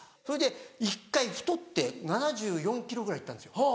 それで１回太って７４ｋｇぐらい行ったんですよ。